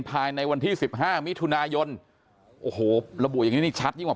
ภายในวันที่สิบห้ามิถุนายนโอ้โหระบุอย่างงี้นี่ชัดยิ่งกว่า